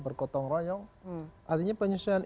berkotong royong artinya penyusuan